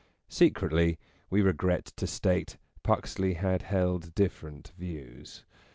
Secretly, we regret to state, Puxley had held different views.